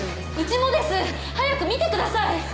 早く診てください。